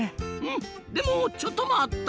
でもちょっと待った！